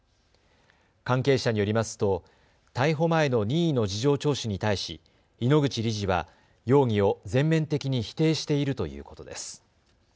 関係者によりますと逮捕前の任意の事情聴取に対し井ノ口理事は容疑を全面的に否定しているということです。